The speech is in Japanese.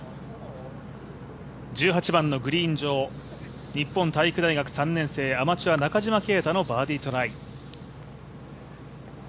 １８番のグリーン上、日本体育大学３年生アマチュア中島啓太のバーディートライ。